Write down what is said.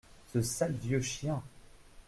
Ce sale vieux chien.